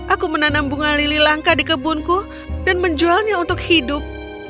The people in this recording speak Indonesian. aku menanam bunga lili langka di kebunku dan menjualnya untuk hidup